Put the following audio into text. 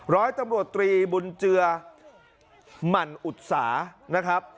ร้อยตำรวจตรีบุญเจือหมั่นอุตสานะครับ